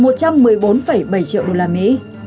một trăm một mươi bốn bảy triệu đô la mỹ